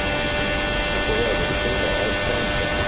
Il capoluogo di contea è Spencer.